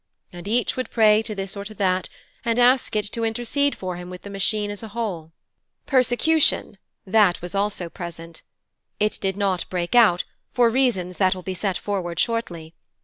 And each would pray to this or to that, and ask it to intercede for him with the Machine as a whole. Persecution that also was present. It did not break out, for reasons that will be set forward shortly.